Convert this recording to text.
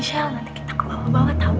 nanti kita kebawa bawa tau